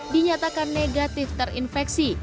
dinyatakan negatif terinfeksi